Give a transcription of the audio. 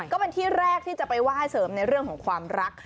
ก็เป็นที่แรกที่จะไปไหว้เสริมในเรื่องของความรัก